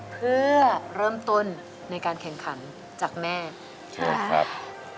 เพื่อเริ่มต้นในการแข่งขันจากแม่เชิญครับ